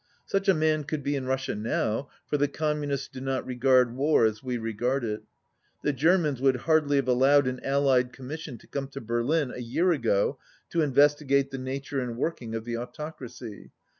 Such a man could be in Russia now, for the Com munists do not regard war as we regard it. The Germans would hardly have allowed an Allied Commission to come to Berlin a year ago to in vestigate the nature and working of the Autocracy.